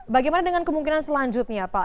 bagaimana dengan kemungkinan selanjutnya pak